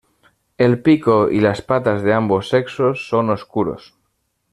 El pico y las patas de ambos sexos son oscuros.